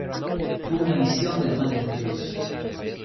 Tuvo una visión de la Madre de Dios.